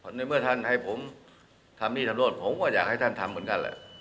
ในเมื่อท่านให้ผมทำนี่ทำโทษผมก็อยากให้ท่านทำเหมือนกันแหละ